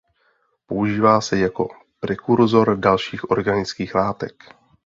Používá se jako prekurzor dalších organických látek.